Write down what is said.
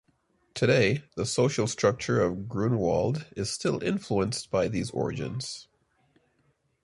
Today, the social structure of Grunewald is still influenced by these origins.